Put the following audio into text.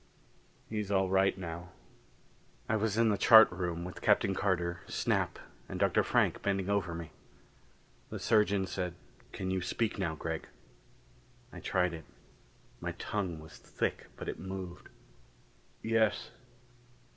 "He's all right now." I was in the chart room with Captain Carter, Snap and Dr. Frank bending over me. The surgeon said, "Can you speak now, Gregg?" I tried it. My tongue was thick, but it moved. "Yes."